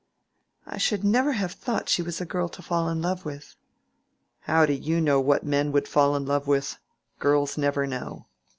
"I should never have thought she was a girl to fall in love with." "How do you know what men would fall in love with? Girls never know."